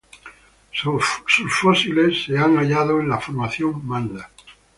Sus fósiles se han hallado en la Formación Manda.